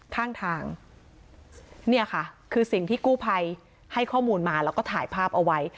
ข้างทางเนี่ยค่ะคือสิ่งที่กู้ภัยให้ข้อมูลมาแล้วก็ถ่ายภาพเอาไว้